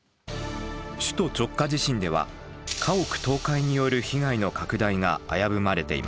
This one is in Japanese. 首都直下地震では家屋倒壊による被害の拡大が危ぶまれています。